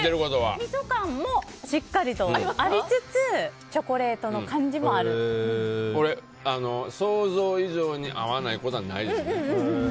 みそ感もしっかりありつつ想像以上に合わないことはないですね。